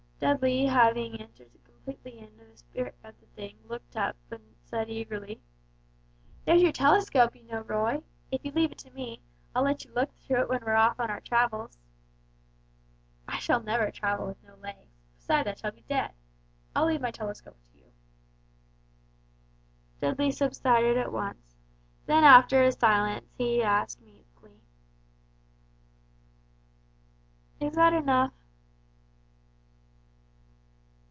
Dudley having entered completely into the spirit of the thing looked up and said eagerly, "There's your telescope, you know, Roy! If you leave it to me, I'll let you look through it when we're off on our travels." "I shall never travel with no legs besides I shall be dead. I'll leave my telescope to you." Dudley subsided at once; then after a silence he asked meekly, "Is that enough?"